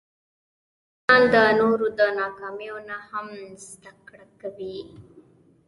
هوښیار انسان د نورو د ناکامیو نه هم زدهکړه کوي.